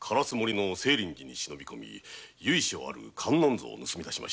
清林寺に忍び込み由緒ある観音像を盗み出しました。